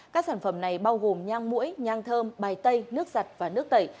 các sản phẩm này bao gồm nhang mũi nhang thơm bài tây nước giặt và nước tẩy